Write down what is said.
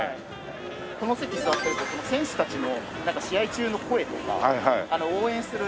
この席座ってると選手たちの試合中の声とか応援する。